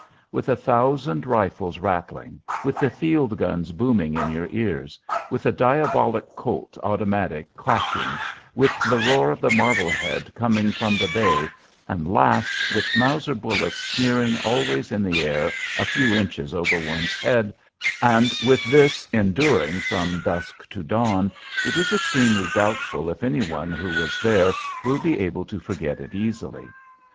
With a thousand rifles rattling; with the field guns booming in your ears; with the diabolic Colt automatics clacking; with the roar of the Marblehead coming from the bay, and, last, with Mauser bullets sneering always in the air a few inches over one's head, and with this enduring from dusk to dawn, it is extremely doubtful if any one who was there will be able to forget it easily.